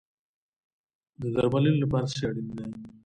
د درملنې لپاره څه شی اړین دی؟